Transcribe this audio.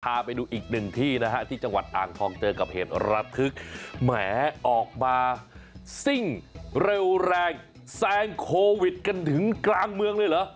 พาไปดูอีกหนึ่งที่นะฮะที่จังหวัดอ่างทองเจอกับเหตุระทึกแหมออกมาซิ่งเร็วแรงแซงโควิดกันถึงกลางเมืองเลยเหรอ